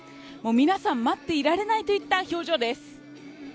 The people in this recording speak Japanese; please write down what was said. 皆さん待っていられないといった表情です。